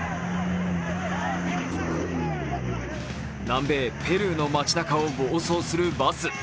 南米ペルーの町なかを暴走するバス。